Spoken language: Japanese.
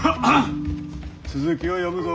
続きを読むぞ。